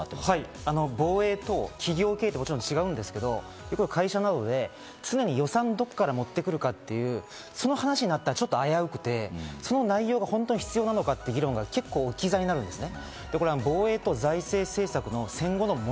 防衛と企業経営と、もちろん違うんですが、会社などで常に予算をどこから持ってくるかという話になったら危うくて、その内容が本当に必要なのかという議論が置き去りになるんですね。